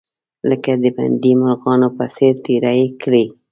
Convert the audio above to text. لکه د بندي مرغانو په څیر تیرې کړې.